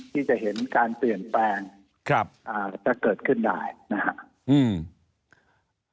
ที่จะเห็นการเปลี่ยนแปลงจะเกิดขึ้นได้นะฮะ